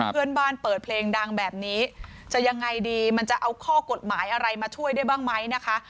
เพื่อนบ้านเปิดเพลงดังแบบนี้จะยังไงดีมันจะเอาข้อกฎหมายอะไรมาช่วยได้บ้างไหมนะคะ